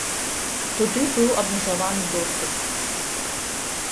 Туды быў абмежаваны доступ.